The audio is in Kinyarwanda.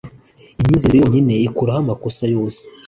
imyizerere yonyine ikuraho amakosa yose